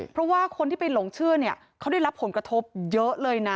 เพราะว่าคนที่ไปหลงเชื่อเนี่ยเขาได้รับผลกระทบเยอะเลยนะ